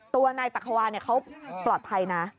ตัวนายตักขวาเขาปลอดภัยนะ